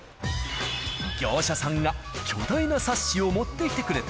業者さんが巨大なサッシを持ってきてくれた。